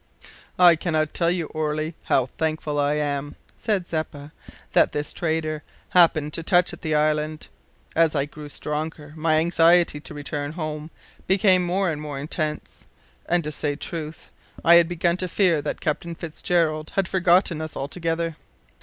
"I cannot tell you, Orley, how thankful I am," said Zeppa, "that this trader happened to touch at the island. As I grew stronger my anxiety to return home became more and more intense; and to say truth, I had begun to fear that Captain Fitzgerald had forgotten us altogether."